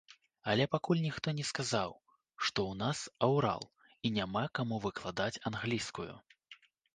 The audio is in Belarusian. Але пакуль ніхто не сказаў, што ў нас аўрал і няма каму выкладаць англійскую.